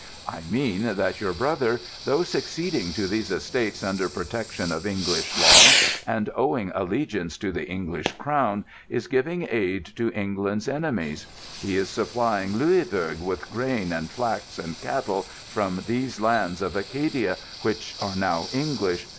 "I mean that your brother, though succeeding to these estates under protection of English law, and owing allegiance to the English Crown, is giving aid to England's enemies. He is supplying Louisbourg with grain and flax and cattle from these lands of Acadia, which are now English.